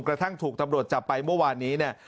กระทั่งถูกตำรวจจับไปเมื่อวานนี้เนี่ย